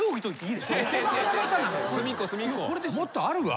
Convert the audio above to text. もっとあるわ。